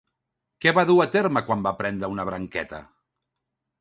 Què va dur a terme quan va prendre una branqueta?